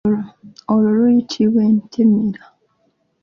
Olwo luyitibwa entemera.